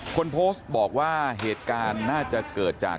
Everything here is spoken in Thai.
คนโพสต์บอกว่าเหตุการณ์น่าจะเกิดจาก